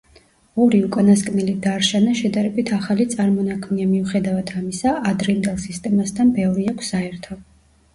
ორი უკანასკნელი დარშანა შედარებით ახალი წარმონაქმნია, მიუხედავად ამისა, ადრინდელ სისტემასთან ბევრი აქვს საერთო.